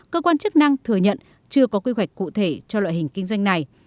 cơ quan chức năng thừa nhận chưa có quy hoạch cụ thể cho loại hình kinh doanh này